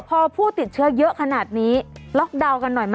พอผู้ติดเชื้อเยอะขนาดนี้ล็อกดาวน์กันหน่อยไหม